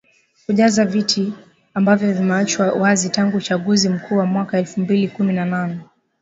Kujaza viti ambavyo vimeachwa wazi tangu uachaguzi mkuu wa mwaka elfu mbili kumi na nane